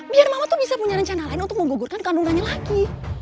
biar mama tuh bisa punya rencana lain untuk menggugurkan kandungannya lagi